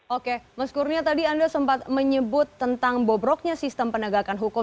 oke mas kurnia tadi anda sempat menyebut tentang bobroknya sistem penegakan hukum